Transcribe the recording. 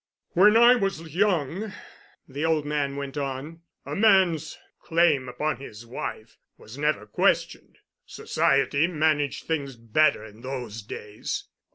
"When I was young," the old man went on, "a man's claim upon his wife was never questioned. Society managed things better in those days.